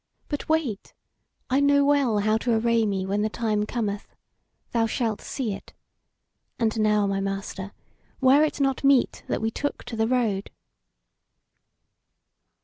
But wait! I know well how to array me when the time cometh. Thou shalt see it! And now, my Master, were it not meet that we took to the road?"